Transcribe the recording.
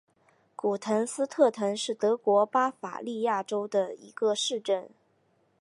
古滕斯特滕是德国巴伐利亚州的一个市镇。